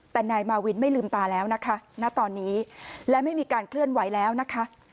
แต่นายมาวินไม่ลืมตาแล้วนะคะณตอนนี้และไม่มีการเคลื่อนไหวแล้วนะคะ